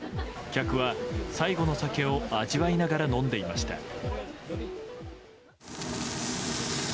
客は最後の酒を味わいながら飲んでいました。